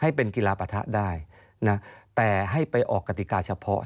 ให้เป็นกีฬาปะทะได้นะแต่ให้ไปออกกติกาเฉพาะ